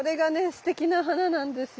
すてきな花なんですよ。